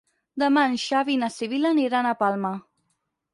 Demà en Xavi i na Sibil·la aniran a Palma.